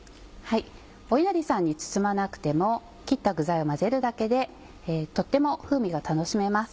おいなりさんに包まなくても切った具材を混ぜるだけでとっても風味が楽しめます。